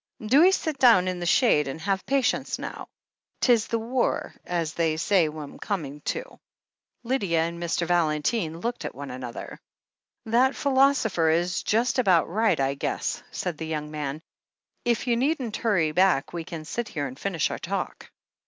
Do 'ee sit down in the shade and have patience, now. 'Tis this war, as they say we'm coming to." Lydia and Mr. Valentine looked at one another, "That philosopher is just about right, I guess," said the young man. "If you needn't hurry back, we can sit here and finish our talk."